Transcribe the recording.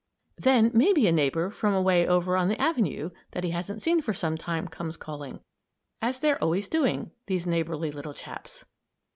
Then maybe a neighbor from away over on the avenue, that he hasn't seen for some time, comes calling as they're always doing, these neighborly little chaps.